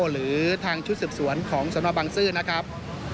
หรือทางชุดสืบสวนของสนบังซื้อนะครับ